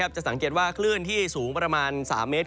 จะสังเกตว่าคลื่นที่สูงประมาณ๓เมตร